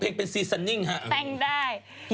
เด็กไทย